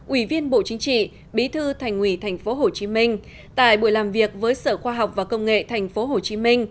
ủy viên bộ chính trị bí thư thành ủy tp hcm tại buổi làm việc với sở khoa học và công nghệ tp hcm